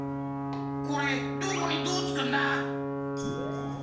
これどこにどうつくんだ？